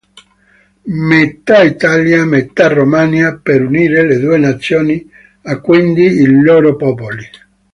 Metà Italia metà Romania per unire le due nazioni e quindi i loro popoli.